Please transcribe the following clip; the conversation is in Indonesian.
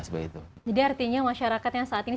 jadi artinya masyarakat yang saat ini